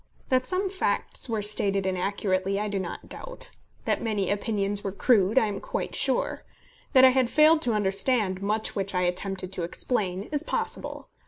That some facts were stated inaccurately, I do not doubt; that many opinions were crude, I am quite sure; that I had failed to understand much which I attempted to explain, is possible.